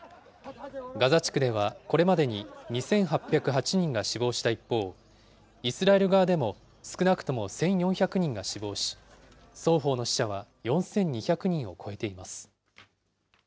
ガザ地区ではこれまでに２８０８人が死亡した一方、イスラエル側でも少なくとも１４００人が死亡し、双方の死者は４２００人を超えています。